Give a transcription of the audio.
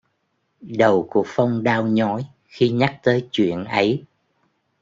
Đầu của phong đau nhói khi nhắc tới chuyện ấy